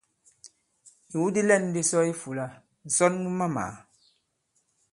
Ìwu di lɛ̂n di sɔ i ifūlā: ǹsɔn mu mamàà.